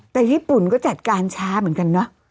แต่ญี่ปุ่นก็จัดการช้าเหมือนกันเนอะ